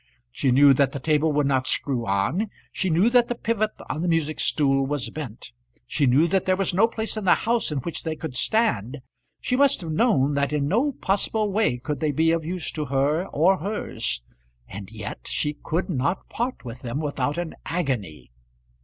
She knew that the table would not screw on; she knew that the pivot of the music stool was bent; she knew that there was no place in the house in which they could stand; she must have known that in no possible way could they be of use to her or hers, and yet she could not part with them without an agony.